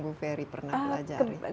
gu ferry pernah pelajari